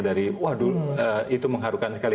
dari waduh itu mengharukan sekali